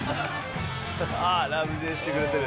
「あっ“ラブＪ”してくれてる」